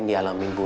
terima kasih pak